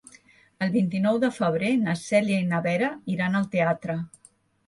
El vint-i-nou de febrer na Cèlia i na Vera iran al teatre.